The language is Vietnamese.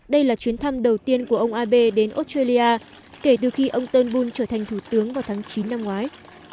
đây là chuyến thăm đầu tiên của ông abe đến australia kể từ khi ông turnbul trở thành thủ tướng vào tháng chín năm ngoái